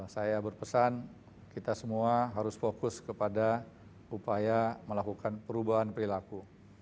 saya berpesan kita semua harus fokus kepada upaya melakukan perubahan perilaku